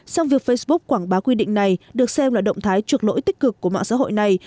song việc facebook quảng bá quy định này được xem là động thái chuộc lỗi tích cực của mạng xã hội này